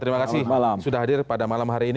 terima kasih sudah hadir pada malam hari ini